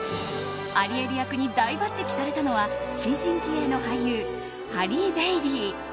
アリエル役に大抜擢されたのは新進気鋭の俳優ハリー・ベイリー。